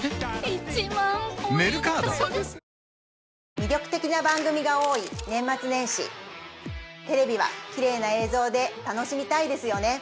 魅力的な番組が多い年末年始テレビはきれいな映像で楽しみたいですよね